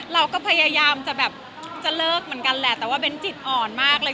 เราก็พยายามจะแบบจะเลิกเหมือนกันแหละแต่ว่าเบ้นจิตอ่อนมากเลย